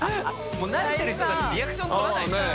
もう慣れてる人たちリアクション取らないんですね。